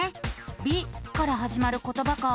「び」からはじまることばか。